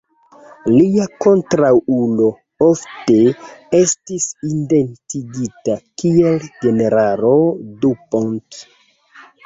Lia kontraŭulo ofte estis identigita kiel generalo Dupont.